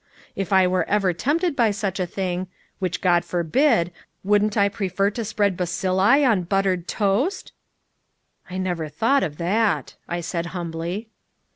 If I were ever tempted by such a thing which God forbid wouldn't I prefer to spread bacilli on buttered toast?" "I never thought of that," I said humbly.